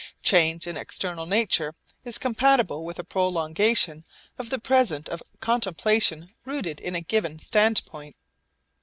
Change in external nature is compatible with a prolongation of the present of contemplation rooted in a given standpoint.